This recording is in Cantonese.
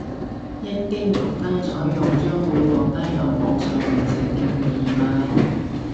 一經獨家採用將會獲得由網上零食店易買